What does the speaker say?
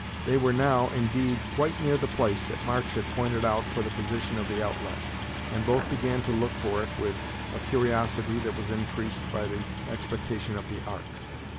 They were now, indeed, quite near the place that March had pointed out for the position of the outlet, and both began to look for it with a curiosity that was increased by the expectation of the ark.